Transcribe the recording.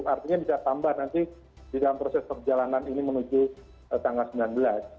artinya bisa tambah nanti di dalam proses perjalanan ini menuju tanggal sembilan belas